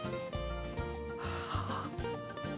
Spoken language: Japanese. はあ。